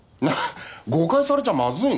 誤解されちゃまずいの？